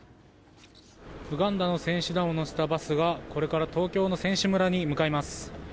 ウガンダの選手団を乗せたバスがこれから東京の選手村に向かいます。